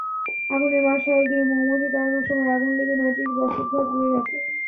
আগুনের মশাল দিয়ে মৌমাছি তাড়ানোর সময় আগুন লেগে নয়টি বসতঘর পুড়ে গেছে।